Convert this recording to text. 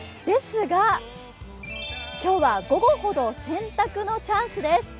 ですが、今日は午後ほど洗濯のチャンスです。